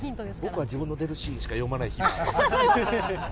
僕は自分の出るシーンしか読まない主義で。